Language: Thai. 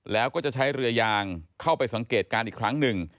แล้วก็จะใช้เรือยางเข้าไปสังเกตการณ์อีกครั้งหนึ่ง